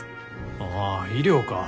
ああ医療か。